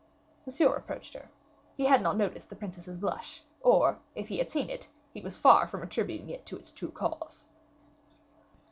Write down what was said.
Monsieur approached her. He had not noticed the princess's blush, or if he had seen it, he was far from attributing it to its true cause.